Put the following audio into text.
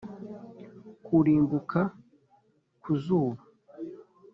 kurimbuka ku zuba! '